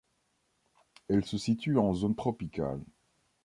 Elle se situe en zone tropicale.